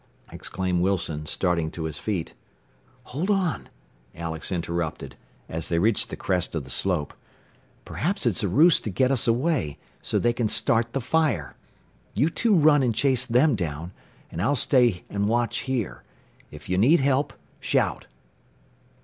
exclaimed Wilson, starting to his feet. "Hold on," Alex interrupted as they reached the crest of the slope. "Perhaps it's a ruse to get us away, so they can start the fire. You two run and chase them down, and I'll stay and watch here. If you need help, shout."